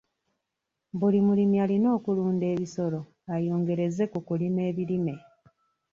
Buli mulimi alina okulunda ebisolo ayongereze ku kulima ebirime.